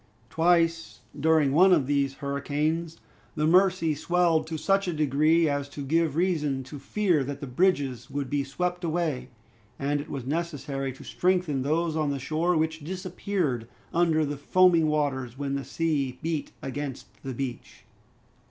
Twice, during one of these hurricanes, the Mercy swelled to such a degree as to give reason to fear that the bridges would be swept away, and it was necessary to strengthen those on the shore, which disappeared under the foaming waters, when the sea beat against the beach.